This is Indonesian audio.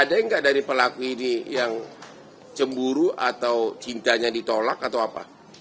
ada nggak dari pelaku ini yang cemburu atau cintanya ditolak atau apa